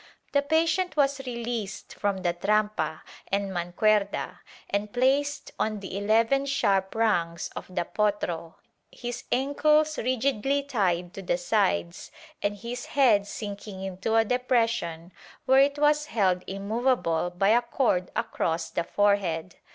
The patient was released from the trampa and mancuerda and placed on the eleven sharp rungs of the potro, his ankles rigidly tied to the sides and his head sinking into a depression where it was held immovable by a cord across the forehead.